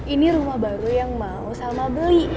ini rumah baru yang mau salma beli